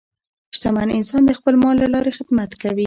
شتمن انسان د خپل مال له لارې خدمت کوي.